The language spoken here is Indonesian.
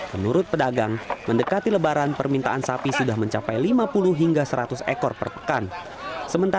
menurut pedagang mendekati lebaran permintaan sapi sudah mencapai lima puluh hingga seratus ekor per pekan